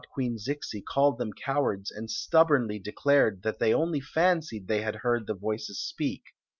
Queen Zixi called them cowards and ^Wbomly de Glared that they only fancied they had heard the voices spe^k.